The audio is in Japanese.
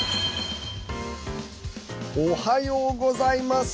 おはようございます。